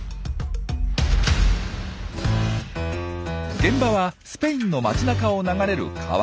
現場はスペインの街なかを流れる川。